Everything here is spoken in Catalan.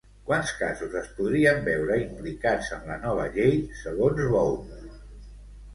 Quants casos es podrien veure implicats en la nova llei, segons Bou?